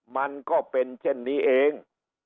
มันก็เป็นเช่นนี้เอง